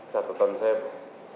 satu tahun saya